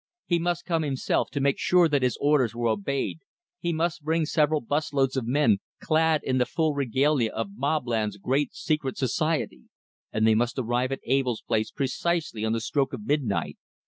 He must come himself, to make sure that his orders were obeyed; he must bring several bus loads of men, clad in the full regalia of Mobland's great Secret Society; and they must arrive at Abell's place precisely on the stroke of midnight.